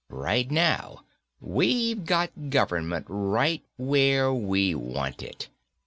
Right now, we've got government right where we want it.